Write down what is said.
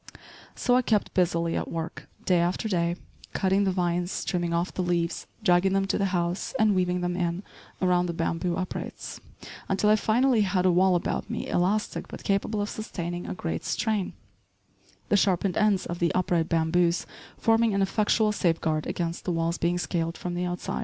So I kept busily at work, day after day, cutting the vines, trimming off the leaves, dragging them to the house and weaving them in around the bamboo uprights, until I finally had a wall about me elastic but capable of sustaining a great strain, the sharpened ends of the upright bamboos forming an effectual safeguard against the walls being scaled from the outside.